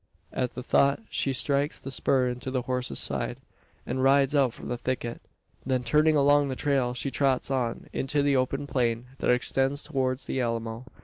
At the thought, she strikes the spur into her horse's side, and rides out from the thicket. Then, turning along the trail, she trots on into the open plain, that extends towards the Alamo.